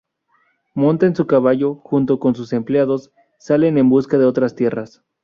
Monta en su caballo, junto con sus empleados, salen en busca de otras tierras.